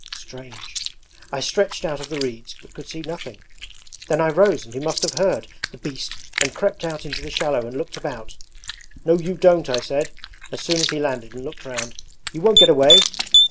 Strange! I stretched out of the reeds but could see nothing; then I rose and he must have heard, the beast, and crept out into the shallow and looked about. "No, you don't!" I said, as soon as he landed and looked round, "you won't get away!"